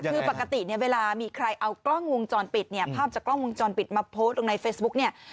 คือปกติเนี่ยเวลามีใครเอากล้องวงจรปิดเนี่ยภาพจากกล้องวงจรปิดมาโพสต์ลงในเฟซบุ๊กเนี่ย